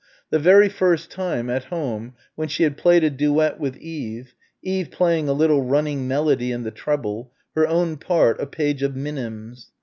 The very first time, at home, when she had played a duet with Eve Eve playing a little running melody in the treble her own part a page of minims.